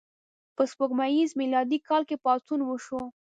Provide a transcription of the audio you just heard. په سپوږمیز میلادي کال کې پاڅون وشو.